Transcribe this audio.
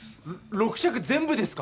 ろ６着全部ですか？